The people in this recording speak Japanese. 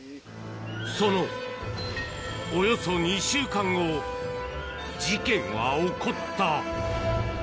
そのおよそ２週間後、事件は起こった。